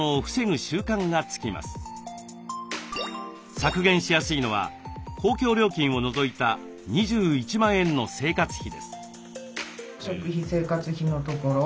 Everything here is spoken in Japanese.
削減しやすいのは公共料金を除いた２１万円の生活費です。